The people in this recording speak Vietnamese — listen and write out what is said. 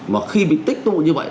và khi bị tích tụ như vậy